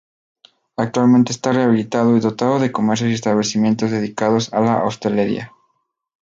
Actualmente está rehabilitado y dotado de comercios y establecimientos dedicados a la hostelería.